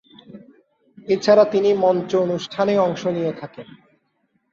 এছাড়া তিনি মঞ্চ অনুষ্ঠানেও অংশ নিয়ে থাকেন।